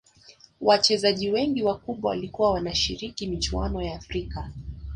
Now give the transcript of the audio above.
Wachezaji wengi wakubwa walikuwa wanashiriki michuano ya afrika